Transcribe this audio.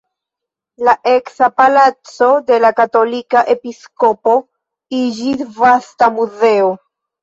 La eksa palaco de la katolika episkopo iĝis vasta muzeo.